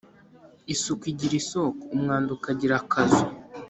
isuku igira isoko, umwanda ukagira akazu